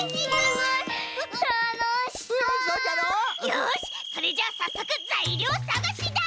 よしそれじゃあさっそくざいりょうさがしだ！